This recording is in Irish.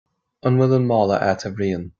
An bhfuil an mála agat, a Bhriain